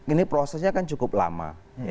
ini prosesnya kan cukup lama